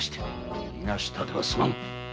逃がしたではすまぬ！